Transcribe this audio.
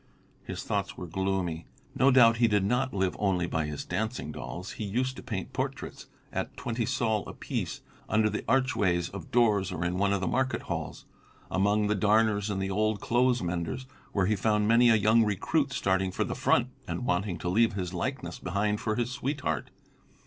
His thoughts were gloomy. No doubt, he did not live only by his dancing dolls; he used to paint portraits at twenty sols apiece, under the archways of doors or in one of the market halls, among the darners and old clothes menders, where he found many a young recruit starting for the front and wanting to leave his likeness behind for his sweetheart.